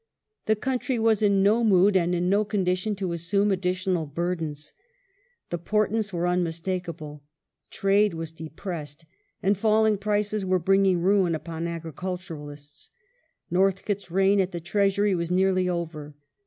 The country was in no mood and in no condition to assume additional burdens. The portents were unmistakable. Trade was depressed and falling prices were bringing ruin upon agriculturists. Northcote' s reign at the Treas ury was nearly over.